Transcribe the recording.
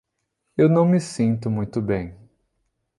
Eu não me sinto muito bem.